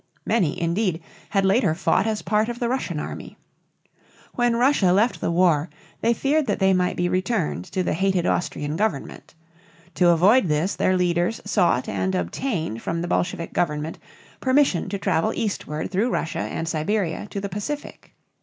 Many, indeed, had later fought as part of the Russian army. When Russia left the war they feared that they might be returned to the hated Austrian government. To avoid this their leaders sought and obtained from the Bolshevik government permission to travel eastward through Russia and Siberia to the Pacific.